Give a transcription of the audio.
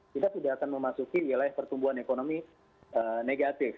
kita sudah akan memasuki wilayah pertumbuhan ekonomi negatif